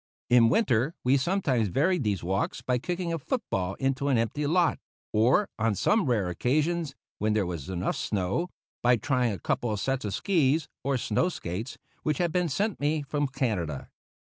In winter we sometimes varied these walks by kicking a foot ball in an empty lot, or, on the rare occasions when there was enough snow, by trying a couple of sets of skis or snow skates, which had been sent me from Canada.